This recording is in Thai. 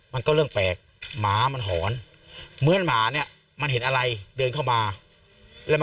มันก็เรื่องแปลกหมามันหอนเหมือนแหละนะครับ